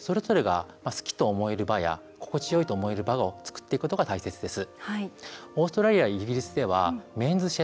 個々人が好きと思える場や、心地いいと思える場を作っていくことが大切です。